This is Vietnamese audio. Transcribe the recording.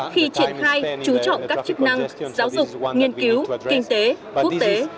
khi triển khai trú trọng các chức năng giáo dục nghiên cứu kinh tế quốc tế